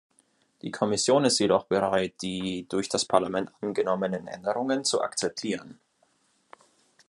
Die Kommission ist jedoch bereit, die durch das Parlament angenommenen Änderungen zu akzeptieren.